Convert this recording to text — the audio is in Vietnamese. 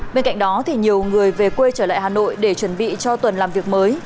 bên cạnh đó thì nhiều người về quê trở lại hà nội để chuẩn bị cho tuần làm việc mới